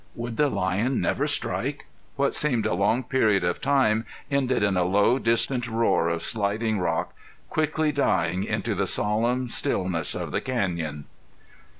Would the lion never strike? What seemed a long period of time ended in a low, distant roar of sliding rock, quickly dying into the solemn stillness of the canyon.